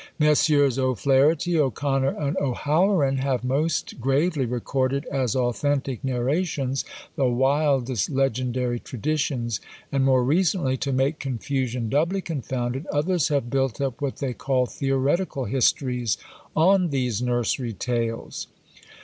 Messieurs O'Flaherty, O'Connor, and O'Halloran, have most gravely recorded as authentic narrations the wildest legendary traditions; and more recently, to make confusion doubly confounded, others have built up what they call theoretical histories on these nursery tales.